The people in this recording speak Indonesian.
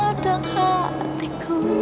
kamu jangan berpikap gitu